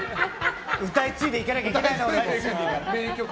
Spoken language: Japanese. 歌い継いでいかなきゃいけない。